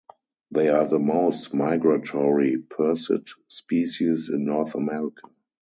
They are the most migratory percid species in North America.